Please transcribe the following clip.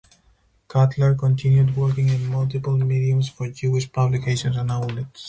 Cutler continued working in multiple mediums for Jewish publications and outlets.